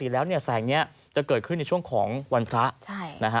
แล้วเนี่ยแสงเนี้ยจะเกิดขึ้นในช่วงของวันพระใช่นะฮะ